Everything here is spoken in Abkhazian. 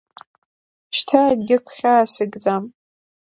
Шьҭа акгьы гәхьаас икӡам.